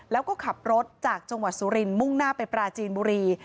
แล้วก็ขับรถจากจังหวัดสุรินทร์มุ่งหน้าไปปราจีนบุรี